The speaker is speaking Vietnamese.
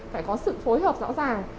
phải có sự phối hợp rõ ràng